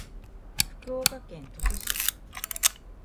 福岡県鳥栖市